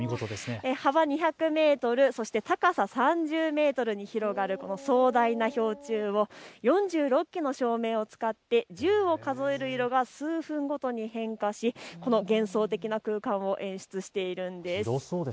幅２００メートル、高さ３０メートルに広がる壮大な氷柱を４６基の照明を使って１０を数える色が数分ごとに変化しこの幻想的な空間を演出しているんです。